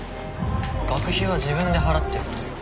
学費は自分で払ってると。